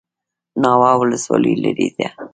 ناوه ولسوالۍ لیرې ده؟